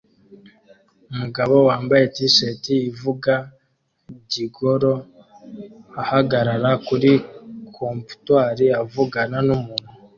Umugabo wambaye t-shirt ivuga "Gigolo" ahagarara kuri comptoire avugana numuntu